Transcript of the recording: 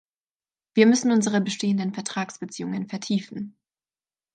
Wir müssen unsere bestehenden Vertragsbeziehungen vertiefen.